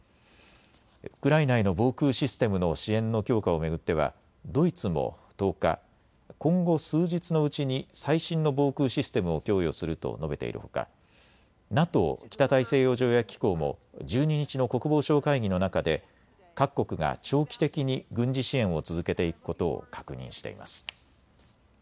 ウクライナへの防空システムの支援の強化を巡ってはドイツも１０日、今後、数日のうちに最新の防空システムを供与すると述べているほか、ＮＡＴＯ・北大西洋条約機構も１２日の国防相会議の中で各国が長期的に軍事支援を続けていくことを確認しています。